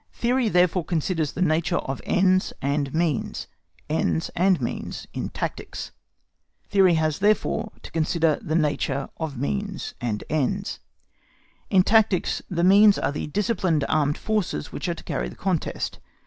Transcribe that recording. THEORY THEREFORE CONSIDERS THE NATURE OF ENDS AND MEANS—ENDS AND MEANS IN TACTICS. Theory has therefore to consider the nature of the means and ends. In tactics the means are the disciplined armed forces which are to carry on the contest.